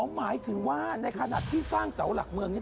หมายถึงว่าในขณะที่สร้างเสาหลักเมืองนี้